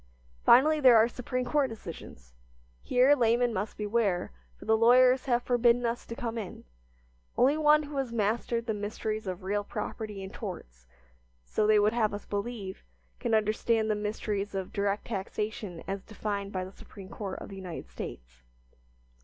Finally, there are Supreme Court decisions. Here laymen must beware, for the lawyers have forbidden us to come in; only one who has mastered the mysteries of real property and torts, so they would have us believe, can understand the mysteries of direct taxation as defined by the Supreme Court of the United States.